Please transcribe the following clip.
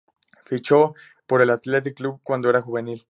Fichó por el Athletic Club cuando era juvenil.